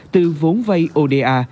từ vốn vây oda